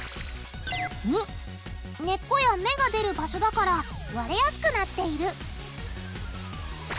②根っこや芽が出る場所だから割れやすくなっている。